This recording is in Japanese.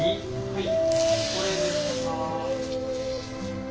はい。